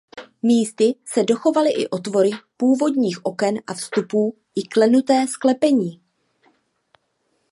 Místy se dochovaly i otvory původních oken a vstupů i klenuté sklepení.